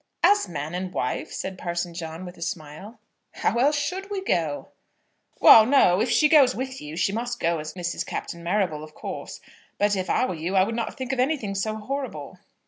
"As man and wife?" said Parson John, with a smile. "How else should we go?" "Well, no. If she goes with you, she must go as Mrs. Captain Marrable, of course. But if I were you, I would not think of anything so horrible."